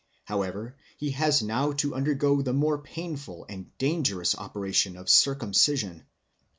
However, he has now to undergo the more painful and dangerous operation of circumcision.